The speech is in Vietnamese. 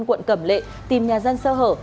quận cẩm lệ tìm nhà dân sơ hở